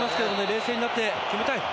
冷静になって決めたい。